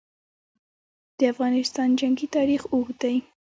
د افغانستان جنګي تاریخ اوږد دی.